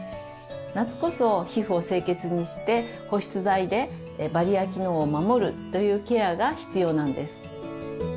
夏こそ皮膚を清潔にして保湿剤でバリア機能を守るというケアが必要なんです。